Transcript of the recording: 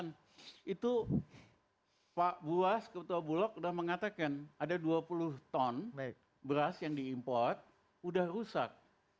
nah itu pak buas ketua bulog sudah mengatakan ada dua puluh ton beras yang diimport udah rusak